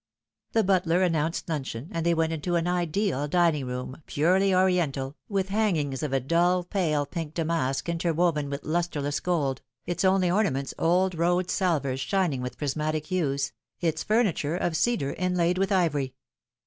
The butler announced luncheon, and they went into an ideal dining room, purely Oriental, with hangings of a dull pale pink Not Proven. 229 damask interwoven with lustreless gold, its only ornaments old Ehodes salvers shining with prismatic hues, its furniture of cedar inlaid with ivory.